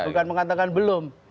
bukan mengatakan belum